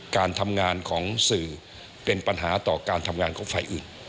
การทำงานของสื่อเป็นปัญหาต่อการทำงานของฝ่ายอื่น